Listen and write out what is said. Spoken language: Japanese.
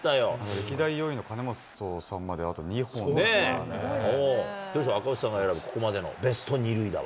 歴代４位の金本さんまで、どうですか、赤星さんが選ぶここまでのベスト２塁打は。